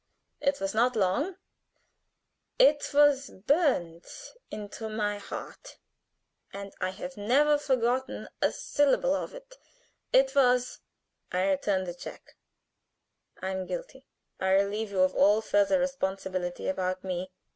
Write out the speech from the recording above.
It was not long: it was burned into my heart, and I have never forgotten a syllable of it. It was: "'I return the check. I am guilty. I relieve you of all further responsibility about me.